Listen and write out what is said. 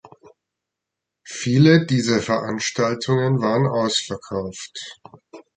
Viele dieser Veranstaltungen waren ausverkauft.